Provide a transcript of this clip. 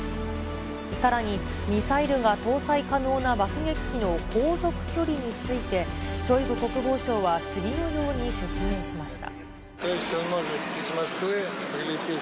さらに、ミサイルが搭載可能な爆撃機の航続距離について、ショイグ国防相は次のように説明しました。